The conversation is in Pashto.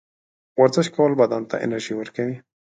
ورزش کول بدن ته انرژي ورکوي.